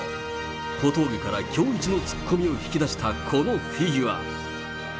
小峠からきょういちのツッコミを引き出したこのフィギュア。